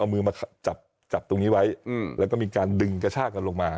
เอามือมาจับจับตรงนี้ไว้แล้วก็มีการดึงกระชากันลงมา